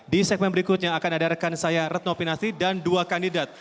di segmen berikutnya akan ada rekan saya retno pinasti dan dua kandidat